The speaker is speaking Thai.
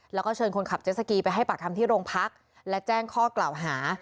แล้วก็เชิญคนขับเจสสกีไปให้ปากคำที่โรงพักและแจ้งข้อกล่าวหา